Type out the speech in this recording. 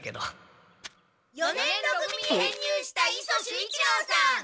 四年ろ組に編入した磯守一郎さん！